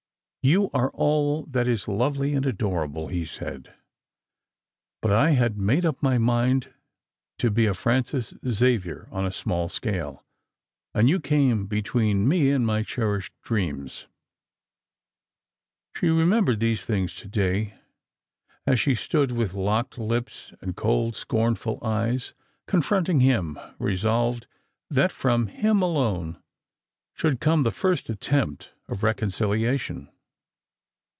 " You are all that is lovely and adorable," he said; "but I had made up my mind to be a Francis Xavier on a small scale, and you came between me and my cherished dreams." She remembered these things to day, as she stood, with locked lips and cold scornful eyes, confronting him, resolved that from iiim alone should come the first attempt at reconciliation.